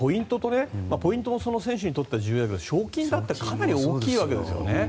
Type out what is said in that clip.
ポイントも選手にとって重要だけど賞金だってかなり大きいわけですよね。